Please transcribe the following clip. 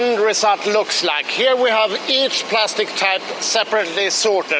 di sini kita memiliki setiap jenis plastik yang disortir secara berbeda